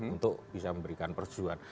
untuk bisa memberikan persetujuan